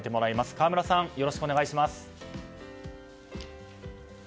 河村さん、よろしくお願いします。